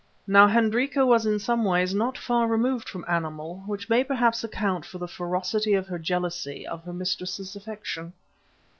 Now Hendrika was in some ways not far removed from animal, which may perhaps account for the ferocity of her jealousy of her mistress's affection.